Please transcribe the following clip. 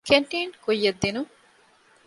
ކެންޓީން ކުއްޔަށްދިނުން